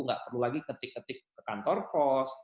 nggak perlu lagi ketik ketik kantor kos